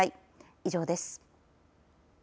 以上です。